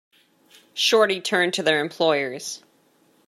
Shorty turned to their employers.